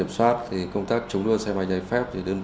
xảy ra đua xe